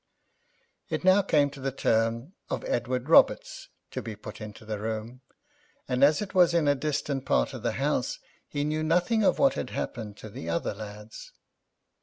It now came to the turn of Edward Roberts to be put into the room, and as it was in a distant part of the house, he knew nothing of what had happened to the other lads.